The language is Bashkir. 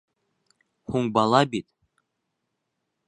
Һуң бала бит...